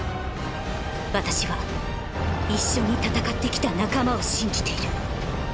私は一緒に戦ってきた仲間を信じている。